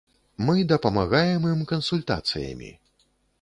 Мы дапамагаем ім кансультацыямі.